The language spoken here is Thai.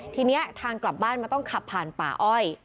ทีนี้ทางกลับบ้านมันต้องขับผ่านป่าอ้อย